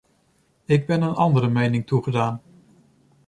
Ik ben een andere mening toegedaan.